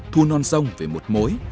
thu non sông về một mối